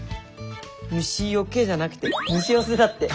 「虫よけ」じゃなくて「虫よせ」だって。